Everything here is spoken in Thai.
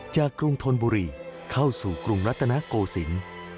จากกรุงธนบุรีเข้าสู่กรุงรัตนโกสิน